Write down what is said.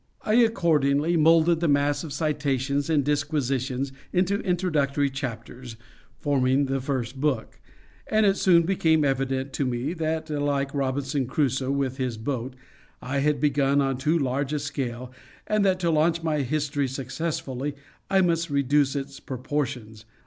I accordingly moulded the mass of citations and disquisitions into introductory chapters, forming the first book; but it soon became evident to me that, like Robinson Crusoe with his boat, I had begun on too large a scale, and that, to launch my history successfully, I must reduce its proportions.